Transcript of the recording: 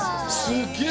すげえ！